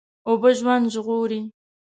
اوبه ژوند ژغوري.